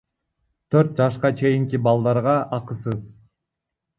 Төрт жашка чейинки балдарга акысыз.